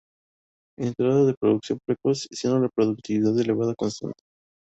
Entrada en producción precoz, siendo la productividad elevada y constante.